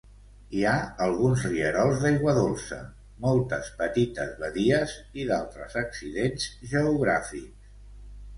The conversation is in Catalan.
Hi ha alguns rierols d'aigua dolça, moltes petites badies i d'altres accidents geogràfics.